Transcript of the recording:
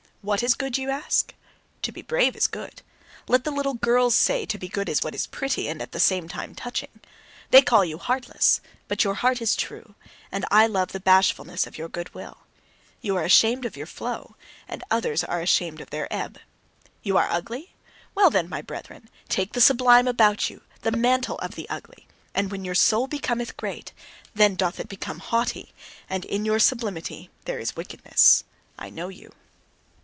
"What is good?" ye ask. To be brave is good. Let the little girls say: "To be good is what is pretty, and at the same time touching." They call you heartless: but your heart is true, and I love the bashfulness of your goodwill. Ye are ashamed of your flow, and others are ashamed of their ebb. Ye are ugly? Well then, my brethren, take the sublime about you, the mantle of the ugly! And when your soul becometh great, then doth it become haughty, and in your sublimity there is wickedness. I know you.